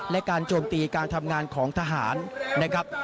และการโจมตีการทำงานของทหารนะครับ